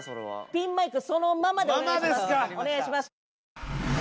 ピンマイクそのままでお願いします。